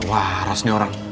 wah harusnya orang